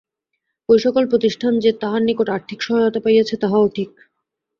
ঐ-সকল প্রতিষ্ঠান যে তাঁহার নিকট আর্থিক সহায়তা পাইয়াছে তাহাও ঠিক।